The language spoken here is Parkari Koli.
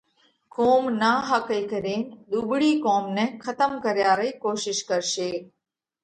قُوم ناحقئِي ڪرينَ ۮُوٻۯِي قوم نئہ کتم ڪريا رئي ڪوشش ڪرشي۔